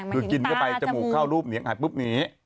คือกินเข้าไปจมูกเข้ารูปเงียงหัดปุ๊บหนี